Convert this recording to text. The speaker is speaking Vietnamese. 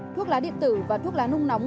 thuốc lá điện tử và thuốc lá nung nóng